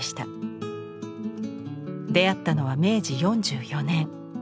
出会ったのは明治４４年。